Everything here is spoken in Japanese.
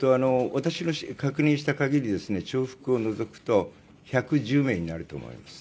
私が確認した限りですと重複を除くと１１０名になると思います。